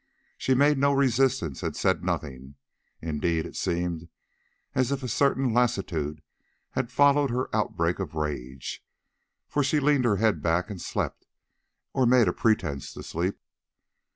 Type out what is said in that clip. She made no resistance and said nothing; indeed it seemed as if a certain lassitude had followed her outbreak of rage, for she leaned her head back and slept, or made pretence to sleep.